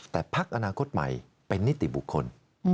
แต่พักอนาคตใหม่เป็นนิติบุคคล